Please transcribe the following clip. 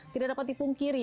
tidak dapat dipungkiri